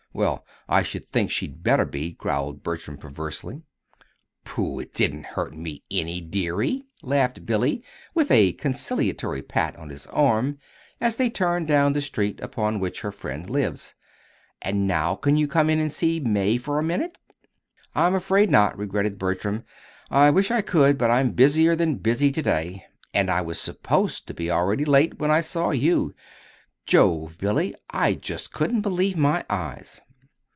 "Humph! Well, I should think she'd better be," growled Bertram, perversely. "Pooh! It didn't hurt me any, dearie," laughed Billy with a conciliatory pat on his arm as they turned down the street upon which her friend lived. "And now can you come in and see May a minute?" "I'm afraid not," regretted Bertram. "I wish I could, but I'm busier than busy to day and I was supposed to be already late when I saw you. Jove, Billy, I just couldn't believe my eyes!"